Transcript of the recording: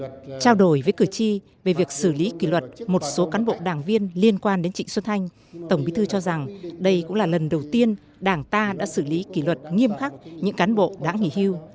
trong cuộc trao đổi với cử tri về việc xử lý kỷ luật một số cán bộ đảng viên liên quan đến trịnh xuân thanh tổng bí thư cho rằng đây cũng là lần đầu tiên đảng ta đã xử lý kỷ luật nghiêm khắc những cán bộ đã nghỉ hưu